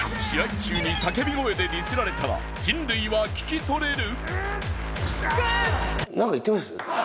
試合中に叫び声でディスられたら人類は聞き取れる？